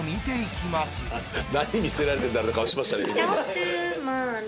「何見せられてるんだろう？」っていう顔してましたね。